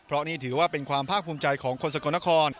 เพราะนี่ถือว่าเป็นความภาคภูมิใจของคนสกลนคร